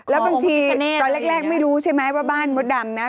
แล้วบางทีตอนแรกไม่รู้ใช่ไหมว่าบ้านมดดำนะ